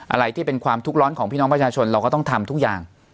อะไรที่เป็นความทุกข์ร้อนของพี่น้องประชาชนเราก็ต้องทำทุกอย่าง